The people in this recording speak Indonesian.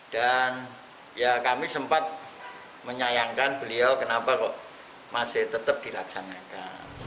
dan kami sempat menyayangkan beliau kenapa kok masih tetap dilaksanakan